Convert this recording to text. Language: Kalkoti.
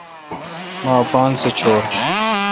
مہ اپاسہ چور۔